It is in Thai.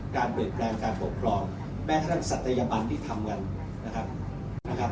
การเบิดแรงการปกครองแม้ท่านท่านสัตยบันที่ทำกันนะครับนะครับ